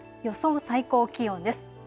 予想最高気温です。